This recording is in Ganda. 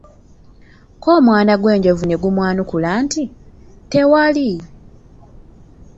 K'omwana gw'enjovu ne gumwanukula nti, tewali!